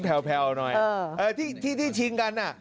มันแผวหน่อยที่ชิงกันน่ะ